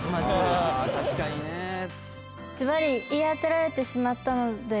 「ずばり言い当てられてしまったので」